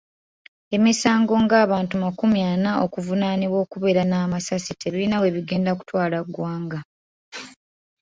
Emisango ng‘abantu makumi ana okuvunaanibwa okubeera n'amasasi tebirina we bigenda kutwala ggwanga.